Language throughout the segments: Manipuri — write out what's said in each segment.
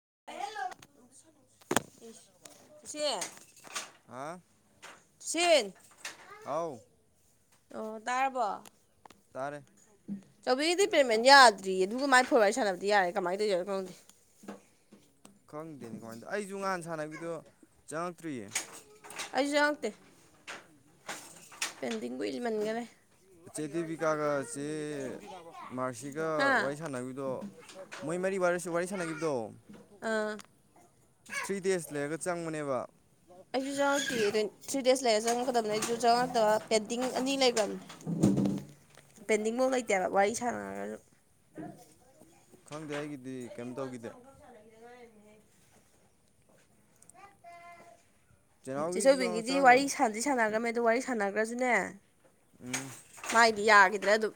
ꯀꯝꯕ ꯍꯗ ꯎꯆ ꯍꯥ ꯁꯤ ꯊꯎ ꯑꯣ ꯇꯥꯔꯕꯣ ꯇꯥꯔꯦ ꯆꯋꯗꯤ ꯄꯦꯃꯦꯟ ꯌꯥꯗ꯭ꯔꯤ ꯑꯗꯨꯃꯥꯏꯅ ꯐꯣꯔ ꯋꯥꯔꯤ ꯁꯥꯟꯅꯕꯗꯤ ꯌꯥꯔꯦ ꯀꯃꯥꯏꯅ ꯇꯧꯔꯤꯦꯅꯣ ꯈꯪꯣꯗꯦ ꯈꯪꯗꯦꯅꯦ ꯀꯃꯥꯏꯅꯗ ꯑꯩꯁꯨ ꯉꯍꯥꯟ ꯁꯥꯟꯅꯕꯤꯗꯣ ꯆꯪꯉꯛꯇ꯭ꯔꯤꯌꯦ ꯑꯖꯥꯛꯇ ꯄꯦꯟꯗꯤ ꯀꯏꯂꯤ ꯃꯅꯤꯒꯅꯦ ꯏꯆꯦ ꯗꯦꯕꯤꯀꯥꯒ ꯆꯦ ꯍꯥ ꯃꯥꯔꯁꯤꯒ ꯋꯥꯔꯤ ꯁꯥꯟꯅꯕꯤꯗꯣ ꯃꯣꯏ ꯃꯔꯤ ꯋꯥꯔꯤꯔꯁꯨ ꯋꯥꯔꯤ ꯁꯥꯟꯅꯈꯤꯕꯗꯣ ꯑꯥ ꯊ꯭ꯔꯤ ꯗꯦꯖ ꯂꯩꯔꯒ ꯆꯪꯕꯅꯦꯕ ꯑꯩꯁꯨ ꯆꯉꯥꯛꯤ ꯊ꯭ꯔꯤ ꯗꯦꯖ ꯂꯩꯔ ꯆꯪꯉꯛ ꯃꯇꯝꯅꯦ ꯑꯩꯁꯨꯉ ꯄꯦꯟꯇꯤꯡ ꯑꯅꯤ ꯂꯩ ꯄꯦꯟꯗꯤꯡꯐꯧ ꯂꯩꯇꯦꯅ ꯋꯥꯔꯤ ꯁꯥꯟꯅꯔꯒꯁꯨ ꯈꯪꯗꯦ ꯍꯥꯏꯒꯗꯤ ꯋꯥꯟ ꯁꯥꯡ ꯈ ꯊ ꯂꯒꯦꯥꯏ ꯆꯦꯅꯥꯎꯒꯤꯁꯨ ꯆꯪꯉ ꯆꯤꯆꯧꯕꯕꯤꯒꯤꯗꯤ ꯋꯥꯔꯤ ꯆꯪꯉꯛ ꯁꯥꯟꯅꯗꯤ ꯁꯥꯟꯅꯈ꯭ꯔꯃꯦ ꯑꯗꯨ ꯋꯥꯔꯤ ꯁꯥꯟꯅꯈ꯭ꯔꯁꯨꯅꯦ ꯎꯝ ꯍꯥꯏꯗꯤ ꯌꯥꯈꯤꯗ꯭ꯔꯥ ꯑꯗꯨꯝ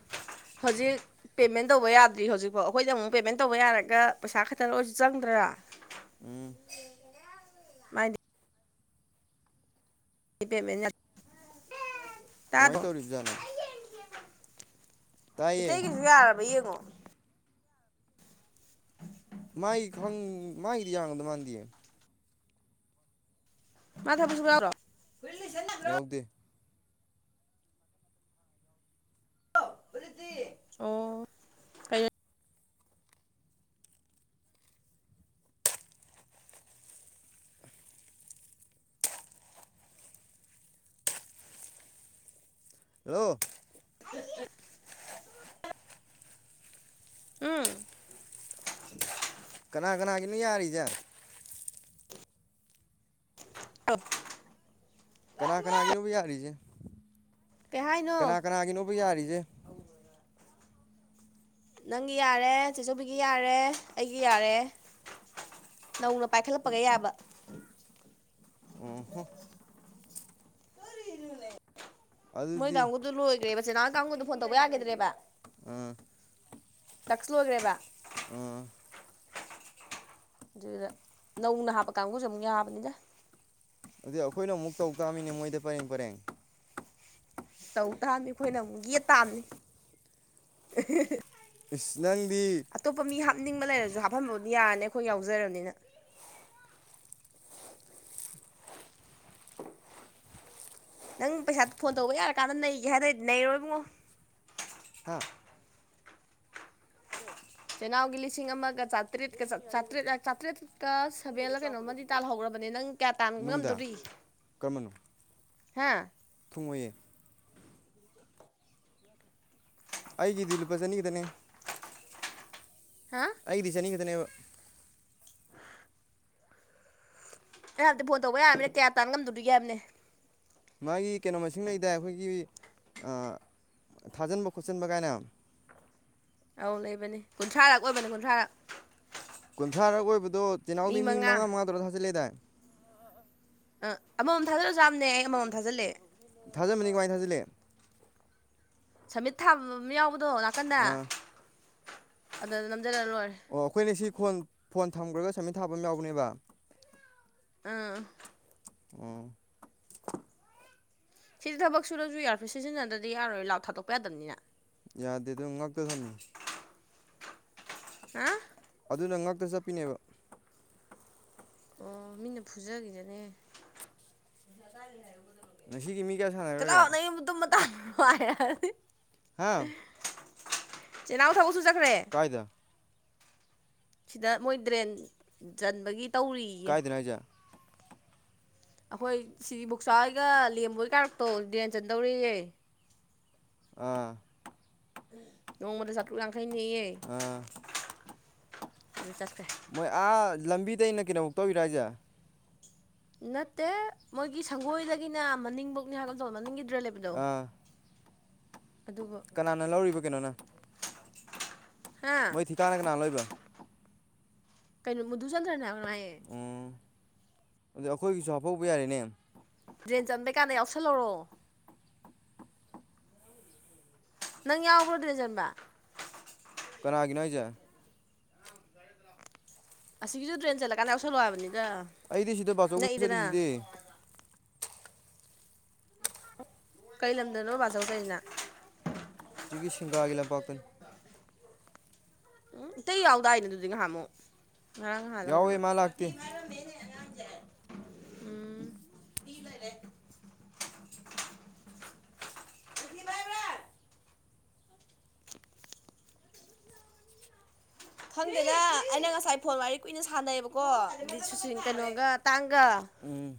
ꯍꯧꯖꯤꯛ ꯄꯦꯃꯦꯟ ꯇꯧꯕ ꯌꯥꯗ꯭ꯔꯤ ꯍꯧꯖꯤꯛꯐꯥꯎ ꯑꯩꯈꯣꯏꯗꯤ ꯑꯃꯨꯛ ꯄꯦꯃꯦꯟ ꯇꯧꯕ ꯌꯥꯔꯒ ꯄꯩꯁꯥ ꯈꯛꯇꯪ ꯂꯔꯁꯨ ꯆꯪꯗ꯭ꯔꯥ ꯀꯠꯇꯇꯥ ꯎꯝ ꯃꯥꯥꯏꯗꯤ ꯂꯩ ꯄꯦ ꯃ ꯀꯃꯥꯏꯅ ꯇꯧꯔꯤꯕ ꯖꯥꯠꯅꯣ ꯏꯇꯩꯒꯤꯁꯨ ꯌꯥꯔꯕ ꯌꯦꯡꯉꯣ ꯎꯝ ꯃꯥꯒꯤ ꯈ ꯃꯥꯒꯤꯗꯤ ꯌꯥꯡꯗ ꯃꯥꯟꯗꯌꯦ ꯃꯥꯊ ꯃꯁ ꯌꯥꯎꯔꯣ ꯌꯥꯎꯗꯦ ꯑꯣ ꯀꯩ ꯍꯜꯂꯣ [inaudible] ꯎꯝ ꯀꯅꯥ ꯀꯅꯥ ꯀꯅꯤ ꯍꯥꯏꯔꯤꯁꯦ ꯇ ꯀꯅꯥ ꯀꯅꯥꯒꯤꯅꯣꯕꯨ ꯌꯥꯔꯤꯁꯦ ꯀꯩ ꯍꯥꯏꯅꯣ ꯀꯅꯥ ꯀꯅꯥꯒꯤꯅꯣꯕ ꯌꯥꯔꯤꯁꯦ ꯅꯪꯒꯤ ꯌꯥꯔꯦ ꯆꯤꯆꯨꯕꯤꯒꯤ ꯌꯥꯔꯦ ꯑꯩꯒꯤ ꯌꯥꯔꯦ ꯅꯧꯅ ꯄꯥꯏꯈꯠꯂꯛꯄꯒ ꯌꯥꯕ ꯑꯣ ꯍꯣ꯫ ꯃꯣꯏ ꯑꯗꯨꯗꯤ ꯀꯥꯡꯕꯨꯨꯗꯨ ꯂꯣꯏꯈ꯭ꯔꯦꯕ [unintelligible] ꯀꯥꯡꯕꯨꯨꯗꯨ ꯐꯣꯟ ꯇꯧꯕ ꯌꯥꯈꯤꯗ꯭ꯔꯦꯕ꯫ ꯎꯝ ꯇꯛꯁ ꯂꯣꯏꯈ꯭ꯔꯦꯕ ꯎꯝ꯫ ꯑꯗꯨꯗ ꯅꯧꯅ ꯍꯥꯞꯄ ꯀꯥꯡꯕꯨꯁꯨ ꯑꯃꯨꯛ ꯌꯥꯕꯅꯤꯗ꯫ ꯑꯗꯨ ꯑꯩꯈꯣꯏꯅ ꯑꯃꯨꯛ ꯇꯧ ꯇꯥꯝꯃꯤꯅꯦ ꯃꯣꯏꯗ ꯄꯔꯦꯡ- ꯄꯔꯦꯡ꯫ ꯇꯧ ꯇꯥꯝꯃꯤ ꯑꯩꯈꯣꯏꯅ ꯑꯃꯨꯛ ꯌꯦꯠ ꯇꯥꯝꯅꯤ꯫ ꯏꯁ ꯅꯪꯗꯤ ꯑꯇꯣꯞꯄ ꯃꯤ ꯍꯥꯞꯅꯤꯡꯕ ꯂꯩꯔꯁꯨ ꯖ ꯍꯥꯞꯐꯟꯕꯕꯨꯗꯤ ꯌꯥꯔꯅꯤ ꯑꯩꯈꯣꯏ ꯌꯥꯎꯖꯔꯕꯅꯤꯅ꯫ ꯅꯪ ꯄꯩꯁꯥ ꯐꯣꯟ ꯇꯧꯕ ꯌꯥꯔꯀꯥꯟꯗ ꯅꯩꯒꯦ ꯍꯥꯏꯅꯗꯤ ꯅꯩꯔꯣ ꯏꯕꯨꯡꯉꯣ꯫ ꯍꯥ ꯆꯦꯅꯥꯎꯒꯤ ꯂꯤꯁꯤꯡ ꯑꯃꯒ ꯆꯥꯇ꯭ꯔꯦꯠꯀ ꯆꯥꯇ꯭ꯔꯦꯠ ꯆꯥꯇ꯭ꯔꯦꯠꯀ ꯁꯕꯦꯜꯂ ꯀꯩꯅꯣꯝꯃꯗꯤ ꯇꯥꯜꯍꯧꯈ꯭ꯔꯕꯅꯦ ꯅꯪ ꯀꯌꯥ ꯇꯥꯟ ꯅꯨꯡꯗ ꯉꯝꯗꯣꯔꯤ? ꯍꯥ ꯊꯣꯡꯉꯣꯏ ꯌꯦ ꯑꯩꯒꯤꯗꯤ ꯂꯨ ꯄ ꯆꯅꯤꯈꯤꯗꯅꯤ ꯍꯥ ꯑꯩꯒꯤꯗꯤ ꯆꯥꯅꯤ ꯈꯠꯇꯅꯦꯕꯥ꯫ ꯑꯩ ꯍꯥꯏꯕꯗꯤ ꯐꯣꯟ ꯇꯧꯕ ꯌꯥꯕꯃꯤꯅꯦ ꯀꯌꯥ ꯇꯥꯟꯂꯝꯝꯗꯣꯏꯔꯤꯒꯦ ꯍꯥꯏꯕꯅꯦ ꯃꯥꯒꯤ ꯀꯩꯅꯣ ꯃꯁꯤꯡ ꯂꯩꯗꯥꯏ ꯑꯩꯈꯣꯏꯒꯤ ꯑꯥꯑꯥ ꯊꯥꯖꯤꯟꯕ ꯈꯣꯠꯆꯤꯟꯕ ꯀꯥꯏꯅ ꯑꯧ ꯂꯩꯕꯅꯦ ꯀꯨꯟꯊ꯭ꯔꯥꯔꯛ ꯑꯣꯏꯕꯅꯦ ꯀꯨꯟꯊ꯭ꯔꯥꯔꯛ꯫ ꯀꯨꯟꯊ꯭ꯔꯥꯔ ꯑꯣꯏꯕꯗꯣ ꯇꯤꯍꯥꯎꯗꯤ ꯃꯤ ꯃꯉꯥ- ꯃꯉꯥ ꯇꯧꯔ ꯊꯥꯖꯜꯂꯦꯗꯥꯏ꯫ ꯑ ꯑꯃꯃꯝ ꯊꯥꯖꯜꯂ ꯁꯨ ꯌꯥꯕꯅꯦ ꯑꯩ ꯑꯃꯃꯝ ꯊꯥꯖꯜꯂꯦ꯫ ꯊꯥꯖꯟꯕꯅꯤ ꯀꯃꯥꯏ ꯊꯥꯖꯤꯜꯂꯤ? ꯁꯃꯤꯠ ꯊꯥꯕ ꯑꯃ ꯌꯥꯎꯕꯗꯣ ꯅꯥꯀꯟꯗ ꯑꯥ ꯑꯗꯨ [unintelligible] ꯂꯣꯏꯔꯦ꯫ ꯑꯣ ꯑꯩꯈꯣꯏꯅ ꯁꯤ ꯐꯣꯟ ꯊꯝꯈ꯭ꯔꯒ ꯁꯃꯤꯠ ꯊꯥꯕ ꯑꯃ ꯌꯥꯎꯕꯅꯦꯕ ꯑꯥ ꯎꯝ꯫ ꯁꯤꯗꯤ ꯊꯕꯛ ꯁꯨꯔꯁꯨ ꯌꯥꯔ ꯞꯤꯁꯁꯤꯖꯤꯟꯅꯗ꯭ꯔꯗꯤ ꯌꯥꯔꯣꯏ ꯂꯥꯎꯗ ꯊꯥꯗꯣꯛꯄ ꯌꯥꯗꯕꯅꯤꯅ꯫ ꯌꯥꯗꯦ ꯗꯣ ꯉꯥꯛꯇꯥ ꯊꯝꯃꯤ꯫ ꯍꯥ ꯑꯗꯨꯅ ꯉꯛꯇ ꯆꯞꯄꯤꯅꯦꯕ꯫ ꯑꯣ ꯃꯤꯅ ꯐꯨꯖꯈꯤꯖꯅꯤ ꯍꯦ ꯉꯁꯤꯒꯤ ꯃꯤ ꯀꯌꯥ ꯁꯥꯟꯅꯈ꯭ꯔꯒꯦ? [unintelligible] ꯍꯥ ꯆꯦꯅꯥꯎ ꯊꯕꯛ ꯁꯨ ꯆꯠꯈꯔꯦ꯫ ꯀꯥꯏꯗ ꯁꯤꯗ ꯃꯣꯏ ꯗ꯭ꯔꯦꯟ ꯆꯟꯕꯒꯤ ꯇꯧꯔꯤꯌꯦ꯫ ꯀꯥꯏꯗꯅꯣ ꯍꯥꯏꯁꯦ ꯑꯩꯈꯣꯏ ꯁꯤꯗꯤ ꯕꯨꯆꯥꯥꯒ ꯂꯦꯝꯕꯒꯤ ꯀꯥꯔꯛꯇꯣ ꯗꯔ꯭ꯦꯟ ꯆꯟꯗꯧꯔꯤꯌꯦ꯫ ꯑꯥ ꯅꯣꯡꯃꯗ ꯆꯥꯇꯔꯨꯛ ꯌꯥꯡꯈꯩꯅꯦꯌꯦ꯫ ꯑꯥ ꯃꯣꯏ ꯑꯥ ꯂꯝꯕꯤꯗꯩꯅ ꯀꯩꯅꯣꯕꯨꯛ ꯇꯧꯔꯤꯔꯥ ꯍꯥꯏꯁꯦ꯫ ꯅꯠꯇꯦ ꯃꯣꯏꯒꯤ ꯁꯪꯒꯣꯏꯗꯒꯤꯅ ꯃꯅꯤꯡꯕꯛꯅꯦ [unintelligible] ꯃꯅꯤꯡꯒꯤ [unintelligible] ꯑꯥ ꯑꯗꯨꯕꯨ ꯀꯅꯥꯅ ꯂꯧꯔꯤꯕ ꯀꯩꯅꯣꯅ? ꯍꯥ ꯃꯣꯏ ꯊꯤ ꯀꯥꯅ ꯀꯅꯥ ꯂꯣꯏꯕ? ꯀꯩꯅ ꯃꯙꯨꯆꯟꯗ꯭ꯔꯅ ꯉꯥꯌꯦ ꯎꯝ ꯑꯗꯨ ꯑꯩꯈꯣꯏꯒꯤꯁꯨ ꯍꯥꯐꯧꯕ ꯌꯥꯔꯦꯅꯦ꯫ ꯗ꯭ꯔꯦꯟ ꯆꯟꯕꯩ ꯀꯥꯟꯗ ꯌꯥꯎꯁꯜꯍꯧꯔꯣ꯫ ꯅꯪ ꯌꯥꯎꯕꯔꯣ ꯗꯔ꯭ꯦꯟ ꯆꯟꯕ? ꯀꯅꯥꯒꯤꯅꯣ ꯍꯥꯏꯁꯦ? ꯑꯁꯤꯒꯤꯁꯨ ꯗ꯭ꯔꯦꯟ ꯆꯜꯂꯀꯥꯟꯗ ꯌꯥꯎꯁꯜꯂꯣ ꯍꯥꯏꯕꯅꯤꯗ ꯑꯩꯗꯤ ꯁꯤꯗ ꯕꯥꯆꯧꯒꯤ ꯅꯛꯏꯗꯅ꯫ ꯆꯠꯂꯤꯁꯤꯗꯤ ꯀꯩ ꯂꯝꯗꯅꯣ ꯄꯕꯥꯖꯧꯗꯔꯤꯅ ꯁꯤꯖꯤꯒꯤ ꯁꯤꯡꯒꯥꯒꯤ ꯂꯝ ꯄꯥꯥꯛꯇꯅ ꯎꯝ ꯏꯇꯩ ꯌꯥꯎꯗꯥꯏꯅꯦ ꯑꯗꯨꯗꯤ ꯉꯍꯝꯃꯨꯛ ꯉꯔꯥꯡ ꯌꯥꯎꯋꯦ ꯅꯍꯥꯜꯂꯒꯅꯃ ꯃꯥ ꯂꯥꯛꯇꯦ [inaudible] [inaudible] ꯈꯪꯗꯦꯅ ꯑꯩꯅ ꯉꯁꯥꯏ ꯐꯣꯟ ꯋꯥꯔꯤ ꯀꯨꯏꯅ ꯁꯥꯟꯅꯩꯌꯦꯕꯀꯣ ꯑꯗꯨꯗꯤ ꯁꯨꯆꯜ ꯀꯩꯅꯣꯒ ꯇꯥꯡ ꯒ ꯎꯝ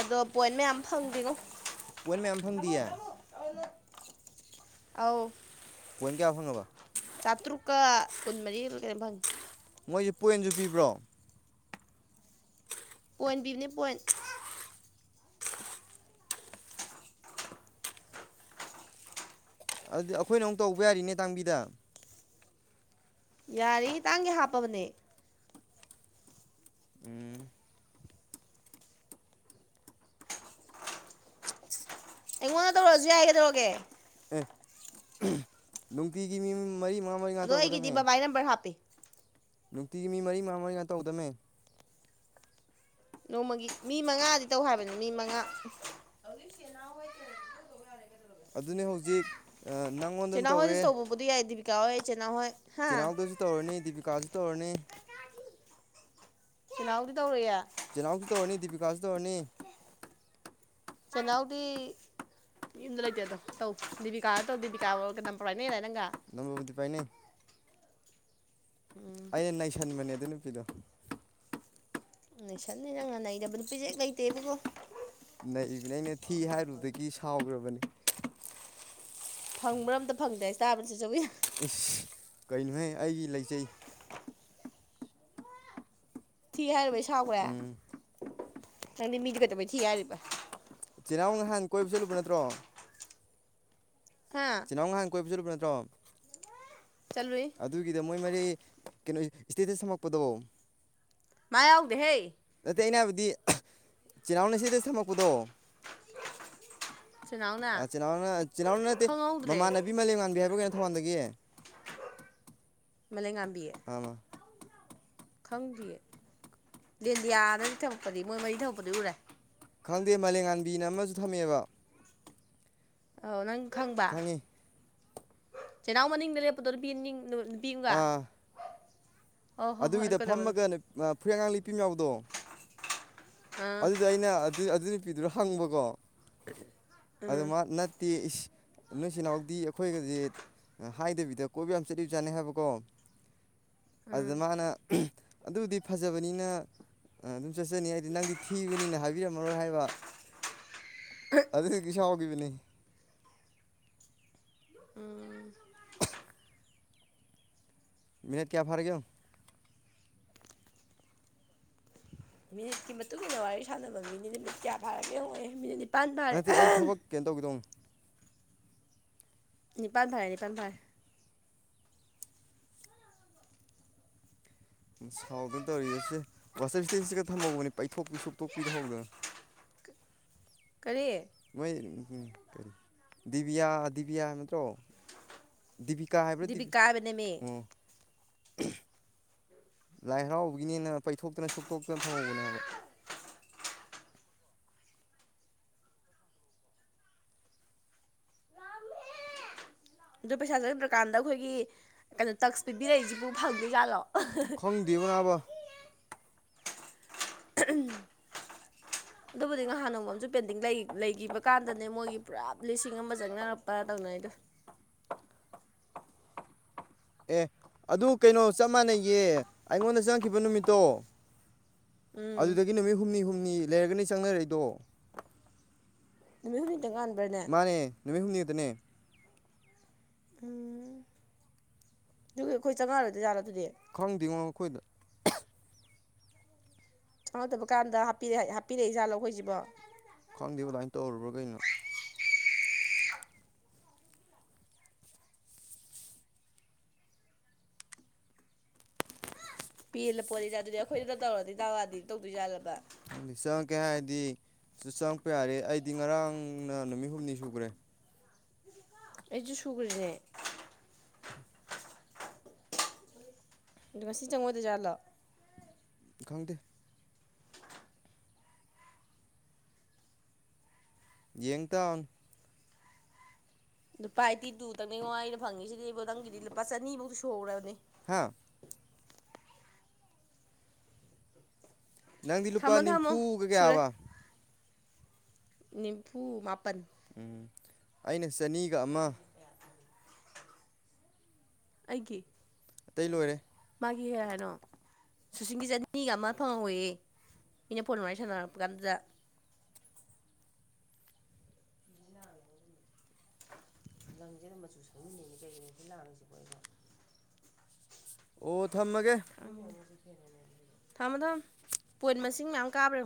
ꯑꯗꯣ ꯄꯣꯏꯟ ꯃꯌꯥꯝ ꯐꯪꯗ꯭ꯔꯤꯉꯣ ꯄꯣꯏꯟ ꯃꯌꯥꯝ ꯐꯪꯗꯤꯌꯦ ꯑꯧ ꯄꯣꯏꯟ ꯀꯌꯥ ꯐꯪꯉꯕ ꯆꯥꯇ꯭ꯔꯨꯛꯀ ꯀꯨꯟꯃꯔꯤ ꯑꯃ ꯀꯔꯤꯝ ꯐꯪꯉꯤ ꯃꯣꯏꯁꯤ ꯄꯣꯏꯟꯁꯨ ꯄꯤꯕ꯭ꯔꯣ ꯄꯣꯏꯟꯕꯤꯕꯅꯦ ꯄꯣꯏꯟ ꯑꯗꯨꯗꯤ ꯑꯩꯈꯣꯏꯅ ꯑꯃꯨꯛ ꯇꯧꯕ ꯌꯥꯔꯤꯅꯦ ꯇꯥꯡꯕꯤꯗ ꯌꯥꯔꯤ ꯇꯥꯡꯒ ꯍꯥꯞꯄꯕꯅꯦ ꯎꯝ ꯏꯉꯣꯟꯅ ꯊꯧ ꯔꯖꯤ ꯍꯥꯏꯒꯗꯧꯒꯦ ꯍ ꯅꯨꯡꯇꯤꯒꯤ ꯃꯤ ꯃꯔꯤ ꯃꯉꯥ ꯃꯔꯤ ꯑꯗꯣ ꯑꯩꯒꯤꯗꯤ ꯉꯥꯛꯇꯧꯒꯗꯕꯅꯦ ꯕꯕꯥꯏ ꯅꯝꯕꯔ ꯍꯥꯞꯄꯤ ꯅꯨꯡꯇꯤꯒꯤ ꯃꯤ ꯃꯔꯤ ꯃꯉꯥ ꯃꯔꯤ ꯉ ꯇꯧꯗꯃꯦ ꯅꯣꯡꯃꯒꯤ ꯃꯤ ꯃꯉꯥꯗꯤ ꯇꯧ ꯍꯥꯏꯕꯅꯦ ꯃꯤ ꯃꯉꯥ ꯑꯗꯨꯅꯤ ꯍꯧꯖꯤꯛ ꯅꯪꯉꯣꯟꯗ ꯑꯃ ꯆꯦꯅꯥꯍꯣꯏꯗꯁꯨ ꯇꯧꯕꯕꯨꯗꯤ ꯌꯥꯏ ꯗꯤꯕꯤꯀꯥ ꯍꯣꯏ ꯆꯦꯅꯥꯍꯣꯏ ꯆꯤꯅꯥꯎꯗꯁꯨ ꯇꯧꯔꯅꯤ ꯗꯤꯕꯤꯀꯥꯁꯨ ꯇꯧꯔꯅꯤ ꯅꯎꯔꯤꯗꯧ꯭ꯔꯌꯥ ꯆꯤꯅꯥꯎꯁꯨ ꯇꯧꯔꯅꯤ ꯗꯤꯄꯤꯀꯥꯁꯨ ꯇꯧꯔꯅꯤ ꯆꯩꯅꯥꯍꯎꯗꯤ ꯌꯨꯝꯗ ꯂꯩꯇꯦ ꯑꯗꯣ ꯇꯧ ꯗꯤꯕꯤꯀꯥꯗ ꯇꯧ ꯗꯤꯕꯤꯀꯥ ꯀꯝ ꯄꯔꯥꯏꯅꯦ ꯂꯪꯝꯕꯕꯨꯨꯗꯤ ꯄꯥꯏꯅꯦ ꯎꯝ ꯑꯩꯅ ꯅꯩꯁꯟꯕꯅꯦ ꯑꯗꯨ ꯅꯨꯄꯤꯗꯣ ꯁꯟꯅꯤ ꯅꯪ ꯉ ꯅꯩꯗꯕ ꯅꯨꯄꯤꯖꯦ ꯂꯩꯇꯦꯕꯀꯣ ꯅꯩꯕꯅꯦ ꯑꯩꯅ ꯊꯤ ꯍꯥꯏꯔꯨꯕꯗꯒꯤ ꯁꯥꯎꯈ꯭ꯔꯕꯅꯤ ꯐꯪ ꯃꯔꯝꯇ ꯐꯪꯗ꯭ꯔꯦꯁ ꯇꯥꯕ ꯆ ꯆꯧꯋ ꯀꯩꯅꯣꯍ ꯑꯩꯒꯤ ꯂꯩꯖꯩ ꯊꯤ ꯍꯥꯏꯨꯔꯕꯩ ꯁꯥꯎꯈ꯭ꯔꯦ ꯎꯝ ꯅꯪꯗꯤ ꯃꯤꯗꯤ ꯀꯛꯇꯕꯩ ꯊꯤ ꯍꯥꯏꯔꯤꯕ ꯇꯤꯅꯥꯎ ꯅꯍꯥꯟ ꯀꯣꯏꯕ ꯆꯠꯂꯨꯕ ꯅꯠꯇ꯭ꯔꯣ ꯍꯥ ꯆꯤꯜ ꯏꯅꯥꯎ ꯅꯍꯥꯟ ꯀꯣꯏꯕ ꯆꯠꯂꯨꯕ ꯅꯠꯇ꯭ꯔꯣ ꯆꯠꯂꯨꯏ ꯑꯗꯨꯒꯤꯗ ꯃꯣꯏ ꯃꯔꯤ ꯀꯣ ꯏꯁꯇꯤꯇꯤ ꯁꯝꯃꯛꯄꯗꯣ ꯃꯥꯎꯒꯦ ꯍꯩ ꯑꯗꯩ ꯑꯩꯅ ꯍꯥꯏꯕꯗꯤ ꯆꯤꯜꯅꯥꯎꯅ ꯑꯁꯤꯗ ꯊꯝꯃꯛꯄꯗꯣ ꯁꯨꯅꯥꯎꯅ ꯑꯤ ꯏꯅꯥ ꯆꯤꯜꯍꯎ ꯅꯠꯇꯦ ꯈꯪꯍꯧꯗ꯭ꯔꯦ ꯃꯃꯥꯟꯅꯕꯤ ꯃꯥꯂꯦꯝ ꯉꯥꯟꯕꯤ ꯍꯥꯏꯕ ꯀꯩꯅꯣ ꯊꯕꯣꯟꯗꯒꯤ ꯃ ꯂꯩ ꯉꯥꯝꯕꯤꯌꯦ ꯈꯪꯗ꯭ꯔꯤꯌꯦ ꯂꯦꯟꯗꯤꯌꯥꯗꯒꯤ ꯊꯧꯂꯛꯄꯗꯤ ꯃꯣꯏ ꯃꯔꯤ ꯊꯕꯛꯄꯗꯤ ꯎꯔꯦ ꯈꯪꯗꯦ ꯃꯂꯉꯥꯟꯕꯤꯅ ꯑꯃꯁꯨ ꯊꯝꯃꯦꯕ ꯑ ꯅꯪ ꯈꯪꯕ ꯈꯪꯉꯤ ꯆꯤꯅꯥꯎ ꯃꯅꯤꯡꯗ ꯂꯦꯞꯄꯗꯣ ꯄ ꯕꯤꯒꯥ ꯑꯥ ꯑꯗꯨꯒꯤꯗ ꯐꯝꯃꯒ ꯐꯨꯔꯤ ꯑꯉꯥꯡ ꯂꯤꯄꯤꯝ ꯌꯥꯎꯗꯣ ꯑꯥ ꯑꯗꯨꯗ ꯑꯩꯅ ꯑꯗꯨ ꯑꯗꯨ ꯅꯨꯄꯤꯗꯨꯗꯣ ꯍꯪꯕꯀꯣ ꯑꯗꯨ ꯎꯝ ꯅꯠꯇꯦ ꯅꯣꯏꯆꯜꯅꯥꯎꯗꯤ ꯑꯩꯈꯣꯏꯒꯁꯦ ꯍꯥꯏꯗꯕꯤꯗ ꯀꯣꯏꯕ ꯌꯥꯝ ꯆꯠꯂꯤꯕ ꯆꯥꯠꯅꯤ ꯍꯥꯏꯕꯀꯣ ꯑꯗꯨꯗ ꯎꯝ ꯃꯥꯅ ꯑꯗꯨꯗꯤ ꯐꯖꯕꯅꯤꯅ ꯑꯗꯨꯝ ꯆꯠꯆꯅꯤ ꯍꯥꯏꯗꯤ ꯅꯪꯗꯤ ꯊꯤꯕꯅꯤꯅ ꯍꯥꯏꯕꯤꯔꯝꯃꯔꯣꯏ ꯍꯥꯏꯕ ꯑꯗꯨꯅ ꯀ ꯁꯥꯎꯈꯤꯕꯅꯤ ꯎꯝ ꯃ ꯀꯌꯥ ꯐꯥꯔꯒꯣ ꯃꯤꯅꯤꯠꯀꯤ ꯃꯇꯨꯡ ꯏꯟꯅ ꯋꯥꯔꯤ ꯁꯥꯟꯅꯕ ꯃꯤꯅꯤꯠ ꯅꯨꯃꯤꯠ ꯀꯌꯥ ꯐꯥꯔꯒꯦ ꯍꯦꯠ ꯄꯥꯟꯚꯔ ꯅꯠꯇꯦ ꯑꯩ ꯊꯕꯛ ꯀꯩꯅꯣ ꯇꯧꯒꯦꯗꯧꯅꯤ ꯅꯤꯄꯥꯥꯟ ꯊꯔꯦ ꯅꯤꯄꯥꯥꯟ ꯊꯚꯔꯦ ꯁꯥꯎꯗꯅ ꯇꯧꯔꯤꯁꯦ ꯋꯥꯇꯔ ꯏꯁꯇꯦꯟꯁꯤꯒ ꯊꯝꯍꯧꯕꯅꯤ ꯄꯩꯊꯣꯛꯄꯤ ꯁꯣꯛꯇꯣꯛꯄꯤꯗꯍꯧꯗꯅ [inaudible] ꯀꯔꯤ ꯗꯤꯕꯤꯌꯥ ꯍꯥꯏꯕ ꯅꯠꯇꯔꫭ ꯀꯥ ꯍꯥꯏꯕ꯭ꯔꯥ ꯇꯗꯤꯕꯤ ꯗꯤꯕꯤꯀꯥ ꯍꯥꯏꯕꯅꯦꯃꯤ ꯑꯣ ꯂꯥꯏ ꯍꯔꯥꯎꯕꯒꯤꯅꯦꯅ ꯄꯩꯊꯣꯛꯇꯅ ꯁꯨꯛꯇꯣꯛꯇꯅ ꯊꯝꯍꯧꯕꯅꯦ ꯍꯥꯏꯕ [inaudible] ꯑꯗꯨ ꯄꯩꯁꯥ ꯆꯪꯗ꯭ꯔꯀꯥꯟꯗ ꯑꯩꯈꯣꯏꯒꯤ ꯀꯩꯅꯣ ꯇꯛꯁ ꯄꯤꯕꯤꯔꯛꯏꯁꯤꯕꯨ ꯐꯪꯗꯦꯖꯥꯠꯂꯣ ꯈꯪꯗꯕꯅ ꯑꯕ ꯎꯝ [inaudible] ꯑꯗꯨꯕꯨꯗꯤ ꯅꯍꯥꯟ ꯅꯣꯡꯃꯝꯨ ꯄꯦꯟꯇꯤꯡ ꯂꯩꯈꯤꯕ ꯀꯥꯟꯗꯅꯦ ꯃꯣꯏꯒꯤ ꯄꯨꯔꯞ ꯂꯤꯁꯤꯡ ꯑꯃ ꯆꯪꯅꯔꯛꯄ ꯇꯧꯅꯩꯗꯣ [inaudible] ꯑꯦ ꯑꯗꯨ ꯀꯩꯅꯣ ꯆꯞ ꯃꯥꯟꯅꯩꯌꯦ ꯑꯩꯉꯣꯟꯗ ꯆꯪꯈꯤꯕ ꯅꯨꯃꯤꯠꯇꯣ ꯎꯝ ꯑꯗꯨꯗꯒꯤ ꯅꯨꯃꯤꯠ ꯍꯨꯝꯅꯤ ꯍꯨꯝꯅꯤ ꯂꯩꯔꯒꯅꯤ ꯆꯪꯅꯔꯛꯏꯗꯣ ꯅꯨꯃꯤꯠ ꯍꯨꯝꯅꯤꯇꯪ ꯉꯥꯟꯕ꯭ꯔꯅꯦ ꯃꯥꯅꯦ ꯅꯨꯃꯤꯠ ꯍꯨꯝꯅꯤꯛꯇꯅꯦ ꯎꯝ ꯑꯩꯈꯣꯏ ꯆꯪꯉꯛꯔꯗꯤꯠꯂ ꯈꯪꯗꯦꯉꯣ ꯃꯈꯈꯣꯏꯗ ꯆꯪꯉꯗꯕ ꯀꯥꯟꯗ ꯍꯥꯄꯤꯔ ꯍꯥꯞꯄꯤꯔꯛꯑꯦ ꯏꯁꯥ ꯂꯧ ꯑꯩꯈꯣꯏꯁꯤꯕꯣ ꯈꯪꯗꯦꯕ ꯑꯗꯨꯃꯥꯏꯅ ꯇꯧꯔꯨꯕ꯭ꯔꯥ ꯀꯩꯅꯣ ꯄꯦꯜꯂ ꯄꯣꯠꯅꯤꯗ ꯑꯗꯨꯗꯤ ꯑꯩꯈꯣꯏꯗꯨꯗ ꯇꯧꯔꯗꯤ ꯇꯥꯔꯛꯑꯗꯤ ꯇꯧꯗꯣꯏ ꯌꯥꯥꯜꯂꯕ ꯈꯪꯗꯤ ꯆꯪꯉꯛꯀꯦ ꯍꯥꯏꯔꯗꯤ ꯁ ꯆꯪꯉꯛꯄ ꯌꯥꯔꯦ ꯑꯩꯗꯤ ꯉꯔꯥꯡꯅ ꯅꯨꯃꯤꯠ ꯍꯨꯝꯅꯤ ꯁꯨꯈ꯭ꯔꯦ ꯑꯩꯁꯨ ꯁꯨꯒꯔꯤꯅꯦ ꯏ ꯉꯁꯤ ꯆꯪꯉꯗ ꯆꯂꯣ ꯈꯪꯗꯦ ꯌꯡ ꯇꯥꯕꯅꯤ ꯂꯨꯄꯥ ꯑꯩꯠꯇꯤ ꯇꯨꯗꯪꯅꯦꯉ ꯑꯩꯅ ꯐꯪꯉꯤꯁꯤꯗꯤ ꯑꯩꯕꫭ ꯅꯪꯒꯤꯗꯤ ꯂꯨꯄꯥ ꯆꯅꯤꯃꯨꯛꯇ ꯁꯨꯔꯕꯅꯤ ꯍꯥꯥ ꯅꯪꯗꯤ ꯂꯨꯄꯥ ꯊꯝꯃꯣ ꯊꯝꯃꯣ ꯅꯤꯝꯐꯨꯒ ꯁꯨꯔꯦ ꯀꯌꯥꯕ ꯅꯤꯝꯐꯨ ꯃꯥꯄꯟ ꯎꯝ ꯑꯩꯅ ꯆꯅꯤꯒ ꯑꯃ ꯑꯩꯒꯤ ꯑꯇꯩ ꯂꯣꯏꯔꯦ ꯀ ꯍꯥꯏꯔꯣ ꯁꯨꯁꯤꯡꯒꯤꯟ ꯆꯅꯤꯒ ꯑꯃ ꯐꯪ ꯑꯣꯏꯌꯦ ꯏꯅꯦ ꯐꯣꯟ ꯃ ꯁꯥꯟꯅ ꯀꯥꯟꯗꯗ ꯂꯪꯁꯦꯔ ꯃꯆꯨ ꯁꯪꯃꯤꯟꯅꯩꯅꯦ ꯀꯩꯒꯤꯅꯣ ꯁꯤ ꯂꯥꯡꯉꯁꯤꯕꯣ ꯑꯩꯅ ꯑꯣ ꯊꯝꯃꯒꯦ ꯊꯝꯃꯣ ꯊꯝꯃ ꯄꯣꯏꯠ ꯃꯁꯤꯡ ꯌꯥꯝꯌꯥꯝ ꯀꯥꯕ꯭ꯔꯥ